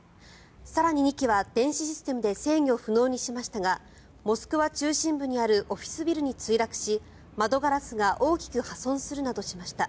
更に２機は電子システムで制御不能にしましたがモスクワ中心部にあるオフィスビルに墜落し窓ガラスが大きく破損するなどしました。